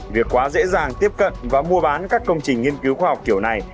việc quá dễ dàng tiếp cận và mua bán các công trình nghiên cứu khoa học kiểu này